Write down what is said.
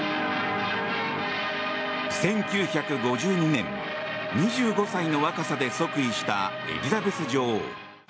１９５２年２５歳の若さで即位したエリザベス女王。